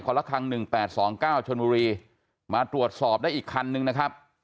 ละครัง๑๘๒๙ชนบุรีมาตรวจสอบได้อีกคันนึงนะครับ